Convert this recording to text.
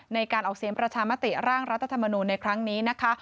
ในการออกเสียงประชามติร่างรัฐธรรมนูลในครั้งนี้นะคะ